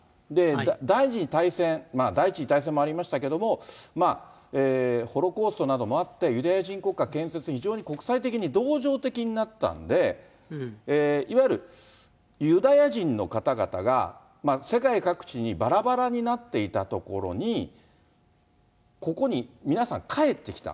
第２次大戦、第１次大戦もありましたけれども、ホロコーストなどもあって、ユダヤ人国家建設、非常に国際的に同情的になったんで、いわゆるユダヤ人の方々が世界各地にばらばらになっていたところに、ここに皆さん帰ってきた。